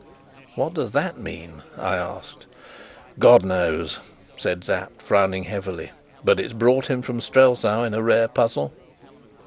"What does that mean?" I asked. "God knows," said Sapt, frowning heavily. "But it's brought him from Strelsau in a rare puzzle."